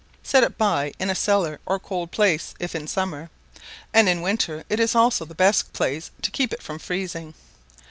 Set it by in a cellar or cool place if in summer, and in winter it is also the best place to keep it from freezing.